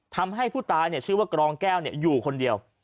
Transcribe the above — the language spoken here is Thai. ทำให้ผู้ตายชื่อว่ากรองแก้วอยู่คนเดียว